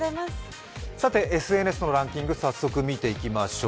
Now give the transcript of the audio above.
ＳＮＳのランキング、早速見ていきましょう。